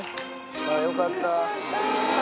あぁよかった。